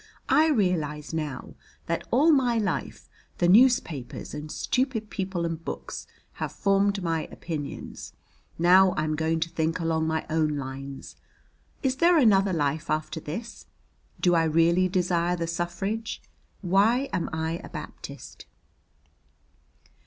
"I realize now that all my life the newspapers and stupid people and books have formed my opinions. Now I'm going to think along my own lines. Is there another life after this? Do I really desire the suffrage? Why am I a Baptist?"